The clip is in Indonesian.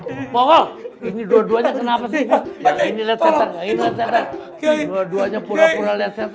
ini dua duanya pura pura liat setan